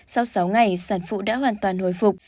sau sáu ngày sản phụ đã hoàn toàn hồi phục